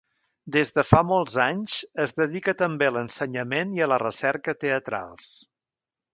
Des de fa molts anys, es dedica també a l'ensenyament i a la recerca teatrals.